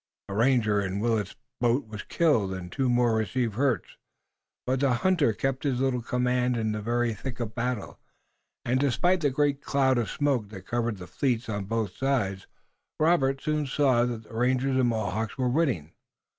A ranger in Willet's boat was killed and two more received hurts, but the hunter kept his little command in the very thick of the battle, and despite the great cloud of smoke that covered the fleets of both sides Robert soon saw that the rangers and Mohawks were winning.